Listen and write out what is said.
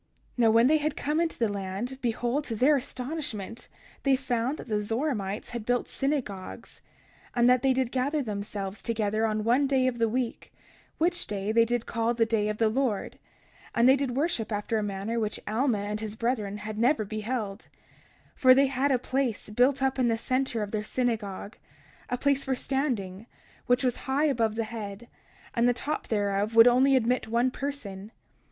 31:12 Now, when they had come into the land, behold, to their astonishment they found that the Zoramites had built synagogues, and that they did gather themselves together on one day of the week, which day they did call the day of the Lord; and they did worship after a manner which Alma and his brethren had never beheld; 31:13 For they had a place built up in the center of their synagogue, a place for standing, which was high above the head, and the top thereof would only admit one person.